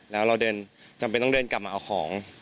แล้วจำเป็นต้องเดินออกผลของ